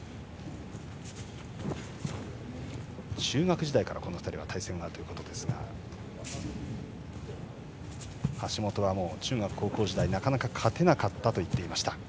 中学時代から、この２人は対戦があるということですが橋本は中学、高校時代なかなか勝てなかったと言っていました。